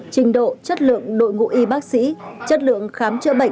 trình độ chất lượng đội ngũ y bác sĩ chất lượng khám chữa bệnh